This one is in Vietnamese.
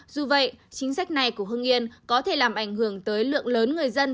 dù vậy chính sách này của hưng yên có thể làm ảnh hưởng tới lượng lớn người dân